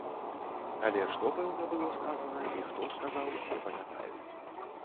Але што пэўна было сказана і хто сказаў, не памятаю.